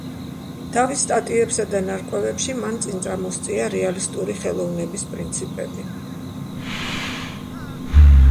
თავის სტატიებსა და ნარკვევებში მან წინ წამოსწია რეალისტური ხელოვნების პრინციპები.